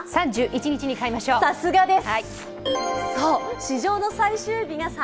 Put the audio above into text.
さすがです！